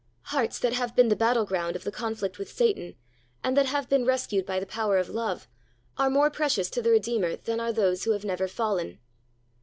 Hearts that have been the battle ground of the conflict with Satan, and that have been rescued by the power of love,, are more precious to the Redeemer than are those who have never fallen.